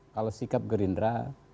kalau sikap gerindra